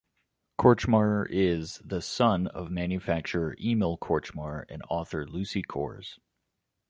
Kortchmar is the son of manufacturer Emil Kortchmar and author Lucy Cores.